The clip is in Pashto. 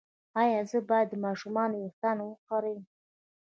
ایا زه باید د ماشوم ویښتان وخرییم؟